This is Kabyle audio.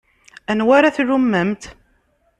Anwa ara tlummemt?